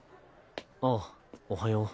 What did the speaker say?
ああおはよう。